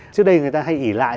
trước đây người ta hay ỉ lại